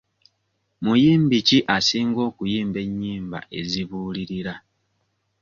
Muyimbi ki asinga okuyimba ennyimba ezibuulirira?